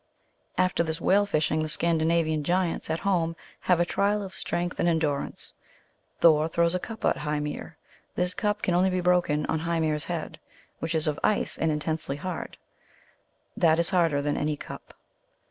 After this whale fishing, the Scandinavian giants at home have a trial of strength and endurance. Thor throws a cup at Hymir. This cup can only be broken on Hymir s head, which is of ice, and intensely hard. " That is harder than any cup."